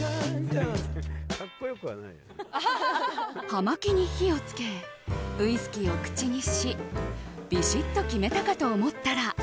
葉巻に火を付けウイスキーを口にしびしっと決めたかと思ったら。